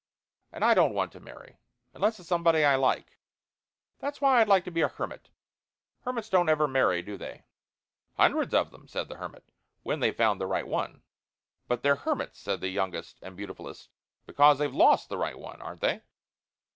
And I don't want to marry unless it's somebody I like. That's why I'd like to be a hermit. Hermits don't ever marry, do they?" "Hundreds of 'em," said the hermit, "when they've found the right one." "But they're hermits," said the youngest and beautifulest, "because they've lost the right one, aren't they?"